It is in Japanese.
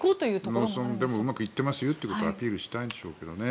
農村でもうまくいってますよということをアピールしたいんでしょうけどね